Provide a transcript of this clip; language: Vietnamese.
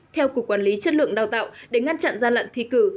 theo cục quản lý chất lượng đào tạo để ngăn chặn gian lận thi cử